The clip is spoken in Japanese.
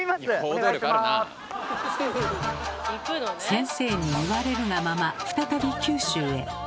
先生に言われるがまま再び九州へ。